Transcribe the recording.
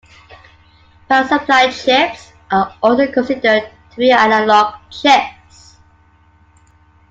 Power supply chips are also considered to be analog chips.